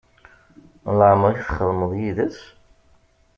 Leɛmeṛ i txedmeḍ yid-s?